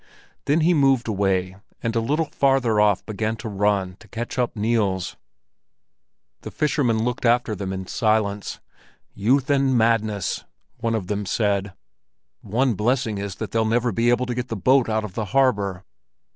Then he moved away, and a little farther off began to run to catch up Niels. The fishermen looked after them in silence. "Youth and madness!" one of them then said. "One blessing is that they'll never be able to get the boat out of the harbor."